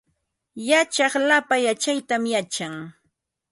Yachaq lapa yachaytam yachan